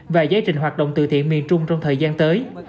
và giải trình hoạt động tự thiện miền trung trong thời gian tới